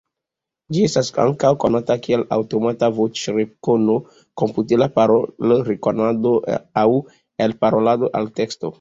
Ĝi estas ankaŭ konata kiel aŭtomata voĉrekono, komputila parolrekonado aŭ elparolo-alteksto.